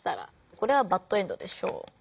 これはバッドエンドでしょう。